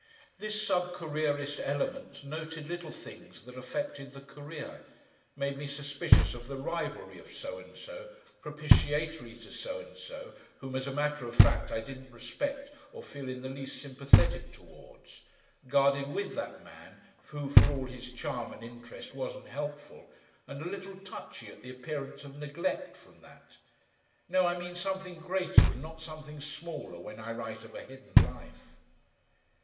This "sub careerist" element noted little things that affected the career, made me suspicious of the rivalry of so and so, propitiatory to so and so, whom, as a matter of fact, I didn't respect or feel in the least sympathetic towards; guarded with that man, who for all his charm and interest wasn't helpful, and a little touchy at the appearance of neglect from that. No, I mean something greater and not something smaller when I write of a hidden life.